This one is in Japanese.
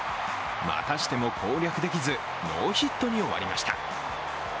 またしても攻略できずノーヒットに終わりました。